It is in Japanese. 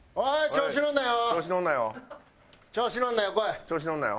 調子乗るなよ。